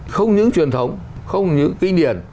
không những truyền thống không những kinh điển